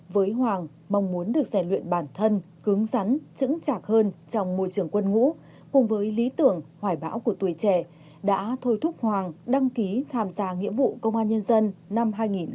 với hoàng mong muốn được giải luyện bản thân cứng rắn chững chạc hơn trong môi trường quân ngũ cùng với lý tưởng hoài bão của tuổi trẻ đã thôi thúc hoàng đăng ký tham gia nghĩa vụ công an nhân dân năm hai nghìn hai mươi ba